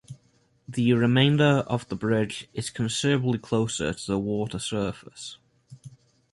The remainder of the bridge is considerably closer to the water surface.